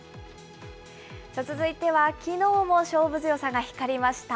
続いてはきのうも勝負強さが光りました。